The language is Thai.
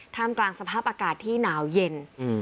กลางสภาพอากาศที่หนาวเย็น